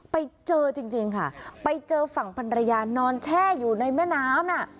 ไปเจอจริงค่ะไปเจอฝั่งพันรยานอนแช่อยู่ในแม่น้ำน่ะ